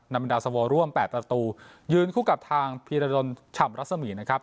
นำดาวสโวร่วม๘ประตูยืนคู่กับทางพีรดลฉ่ำรัศมีนะครับ